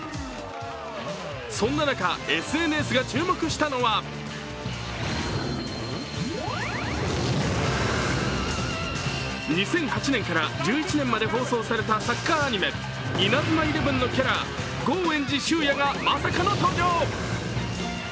そんな中、ＳＮＳが注目したのは２００８年から１１年まで放送されたサッカーアニメ「イナズマイレブン」のまさかの登場。